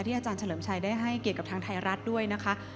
อาจารย์เฉลิมชัยได้ให้เกียรติกับทางไทยรัฐด้วยนะคะ